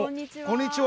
こんにちは。